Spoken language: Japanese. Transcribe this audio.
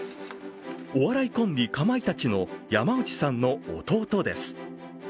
お笑いコンビかまいたちの山内さんの弟です。